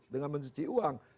dengan mencuci uang